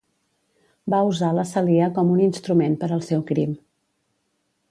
Va usar la Celia com un instrument per al seu crim.